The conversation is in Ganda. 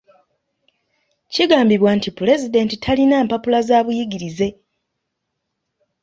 Kigambibwa nti pulezidenti talina mpapula za buyigirize.